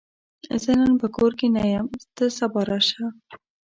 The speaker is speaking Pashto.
زه نن په کور کې نه یم، ته سبا راشه!